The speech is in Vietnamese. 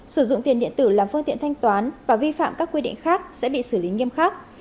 sử dụng tiền điện tử làm phương tiện thanh toán và vi phạm các quy định khác sẽ bị xử lý nghiêm khắc